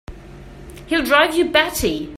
He'll drive you batty!